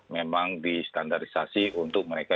memang distandarisasi untuk mereka